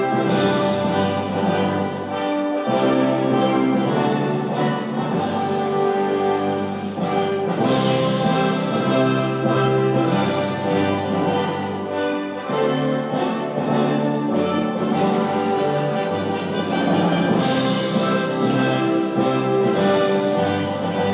kau melintasi setiap orang